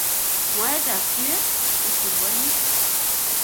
mwaet ap kie isumbuani